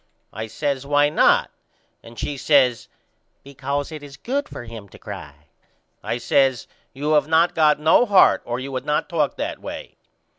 I says Why not? And she says Because it is good for him to cry. I says You have not got no heart or you would not talk that way.